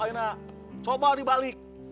jadi ini coba dibalik